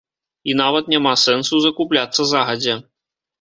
І нават няма сэнсу закупляцца загадзя.